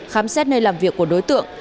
khám xét nơi làm việc của đối tượng